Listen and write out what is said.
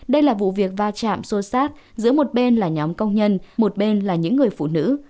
đây là vụ việc va chạm sô sát giữa một bên là nhóm công nhân một bên là những người phụ nữ